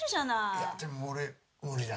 いやでも俺無理だ。